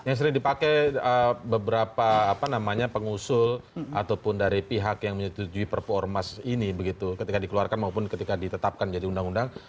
yang sering dipakai beberapa pengusul ataupun dari pihak yang menyetujui perpu ormas ini begitu ketika dikeluarkan maupun ketika ditetapkan jadi undang undang